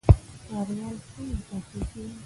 ښاروال څنګه ټاکل کیږي؟